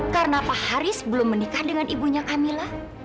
karena pak haris belum menikah dengan ibunya kamila